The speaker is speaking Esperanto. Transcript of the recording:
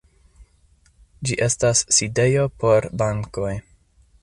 Ĝi estas sidejo por bankoj.